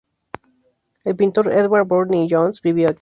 El pintor Edward Burne-Jones vivió aquí.